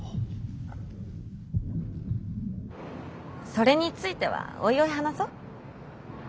それについてはおいおい話そ。